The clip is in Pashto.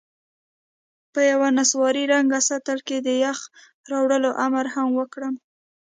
په یوه نسواري رنګه سطل کې د یخې راوړلو امر هم وکړم.